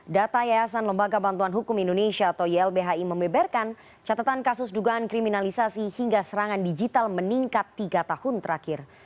data yayasan lembaga bantuan hukum indonesia atau ylbhi membeberkan catatan kasus dugaan kriminalisasi hingga serangan digital meningkat tiga tahun terakhir